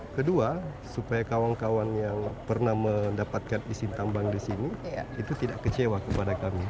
kedua supaya kawan kawan yang pernah mendapatkan izin tambang di sini itu tidak kecewa kepada kami